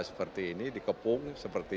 seperti ini dikepung seperti